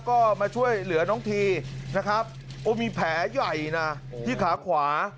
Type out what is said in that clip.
ก็มาช่วยเหลือน้องทีนะครับโอ้มีแผลใหญ่นะที่ขาขวา